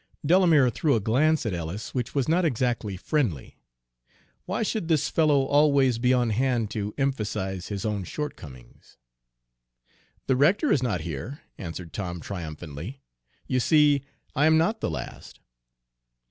Delamere threw a glance at Ellis which was not exactly friendly. Why should this fellow always be on hand to emphasize his own shortcomings? "The rector is not here," answered Tom triumphantly. "You see I am not the last."